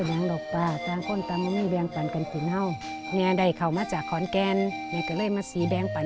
โดยเฉพาะยักษ์โสธรพื้นที่นาคาถูกน้ำท่วมเกือบหมด